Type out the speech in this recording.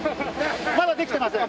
まだできてません。